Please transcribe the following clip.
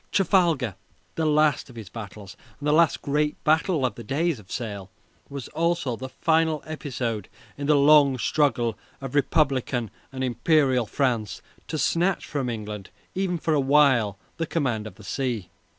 Trafalgar the last of his battles, and the last great battle of the days of the sail was also the final episode in the long struggle of Republican and Imperial France to snatch from England even for a while the command of the sea.